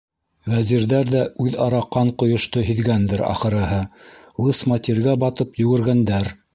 Вәзирҙәр ҙә үҙ-ара ҡан ҡойошто һиҙгәндер, ахырыһы, лысма тиргә батып йүгергәндәр.